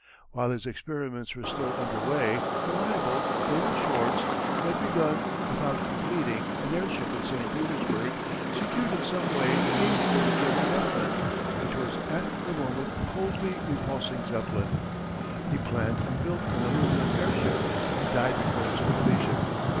While his experiments were still under way, a rival, David Schwartz, who had begun, without completing, an airship in St. Petersburg, secured in some way aid from the German Government, which was at the moment coldly repulsing Zeppelin. He planned and built an aluminum airship but died before its completion.